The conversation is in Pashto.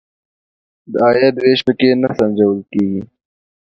د عاید وېش په کې نه سنجول کیږي.